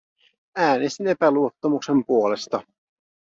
Äänestin epäluottamuksen puolesta.